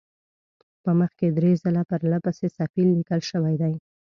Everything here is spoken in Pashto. په مخ کې درې ځله پرله پسې صفیل لیکل شوی دی.